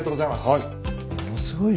はい。